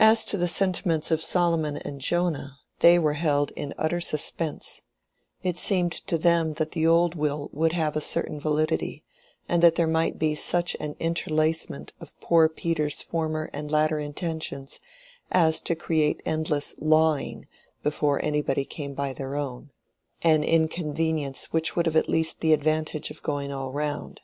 As to the sentiments of Solomon and Jonah, they were held in utter suspense: it seemed to them that the old will would have a certain validity, and that there might be such an interlacement of poor Peter's former and latter intentions as to create endless "lawing" before anybody came by their own—an inconvenience which would have at least the advantage of going all round.